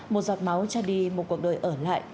một giọt máu cho đi một cuộc đời ở lại